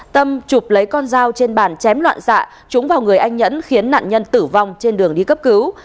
tâm chụp lấy con dao trên bàn chém loạn xạ chúng vào người anh nhẫn khiến nạn nhân tử vong trên đường đi cấp cứu